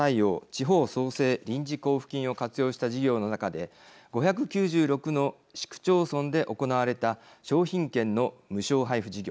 地方創生臨時交付金を活用した事業の中で５９６の市区町村で行われた商品券の無償配布事業。